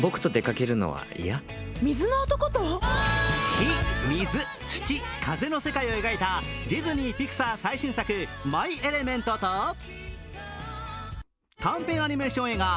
火・水・土・風の世界を描いたディズニー／ピクサー最新作「マイエレメント」と、短編アニメーション映画